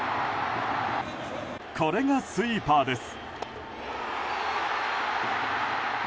これがスイーパーです。